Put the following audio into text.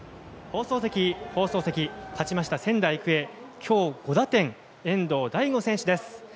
放送席、勝ちました仙台育英今日５打点、遠藤太胡選手です。